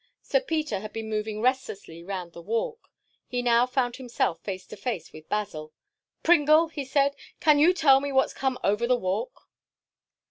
Sir Peter had been moving restlessly round the Walk. He now found himself face to face with Basil. "Pringle," he said, "can you tell me what's come over the Walk?"